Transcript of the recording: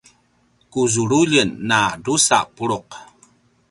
ku zululjen a drusa puluq